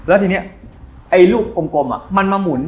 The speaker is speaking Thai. อันนี้ไอลูกนี่มันก็มาหมุน